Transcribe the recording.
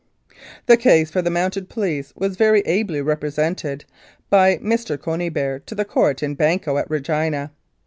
The case for the Mounted Police was very ably pre sented by Mr. Conybeare to the Court in Banco at Regina.